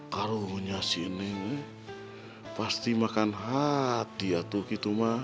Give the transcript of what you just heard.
karunya si eneng nih pasti makan hati ya tuh gitu mah